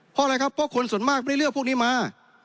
เพราะอะไรครับเพราะคนส่วนมากได้เลือกพวกนี้มา